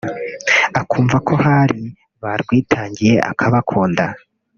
akumva ko hari barwitangiye akabakunda